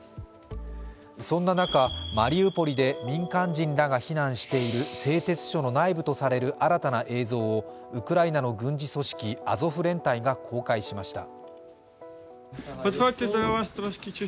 そんな中、マリウポリで民間人らが避難している製鉄所の内部とされる新たな映像をウクライナの軍事組織アゾフ連帯が公開しました。